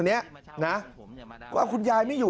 อาทิตย์๒๕อาทิตย์